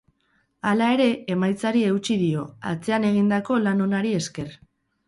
Hala ere, emaitzari eutsi dio, atzean egindako lan onari esker.